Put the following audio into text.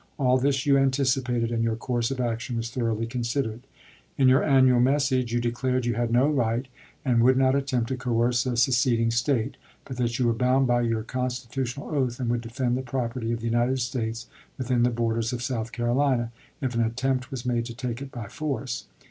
All this you anticipated and your course of action was thoroughly considered. In your annual message you de clared you had no right, and would not attempt to coerce a seceding State, but that you were bound by your con stitutional oath and would defend the property of the United States within the borders of South Carolina, if an attempt was made to take it by force.